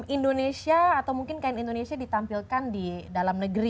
indonesia atau mungkin kain indonesia ditampilkan di dalam negeri